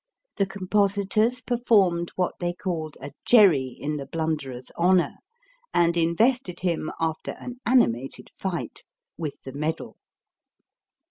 The compositors performed what they called a jerry in the blunderer s honour, and invested him, after an animated fight, with the medal.